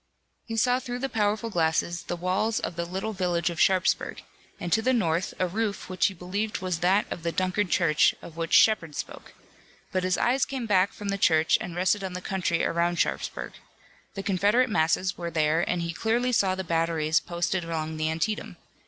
He saw through the powerful glasses the walls of the little village of Sharpsburg, and to the north a roof which he believed was that of the Dunkard Church, of which Shepard spoke. But his eyes came back from the church and rested on the country around Sharpsburg. The Confederate masses were there and he clearly saw the batteries posted along the Antietam.